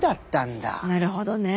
なるほどね。